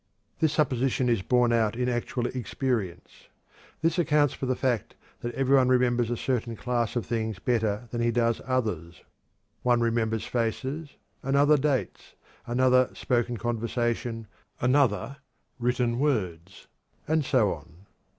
This supposition is borne out in actual experience. This accounts for the fact that every one remembers a certain class of things better than he does others. One remembers faces, another dates, another spoken conversation, another written words, and so on.